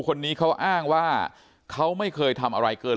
คนนี้เขาอ้างว่าเขาไม่เคยทำอะไรเกิน